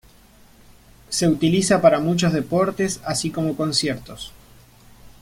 Se utiliza para muchos deportes, así como conciertos.